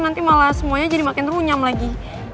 nanti malah semuanya jadi makin runyam lagi